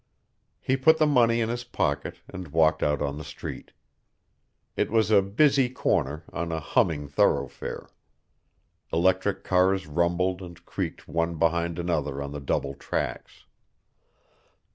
He put the money in his pocket and walked out on the street. It was a busy corner on a humming thoroughfare. Electric cars rumbled and creaked one behind another on the double tracks.